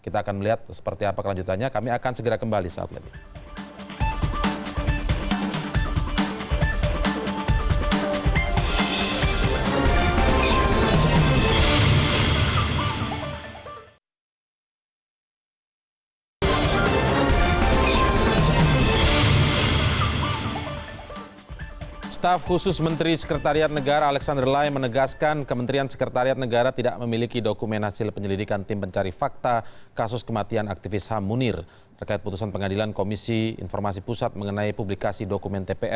terutama kasus munir ini dulu